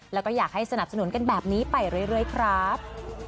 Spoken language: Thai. แล้วก็อยากให้สนับสนุนกันแบบนี้ไปเรื่อยครับ